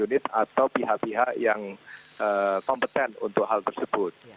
unit atau pihak pihak yang kompeten untuk hal tersebut